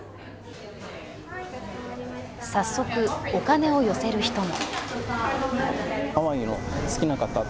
早速、お金を寄せる人も。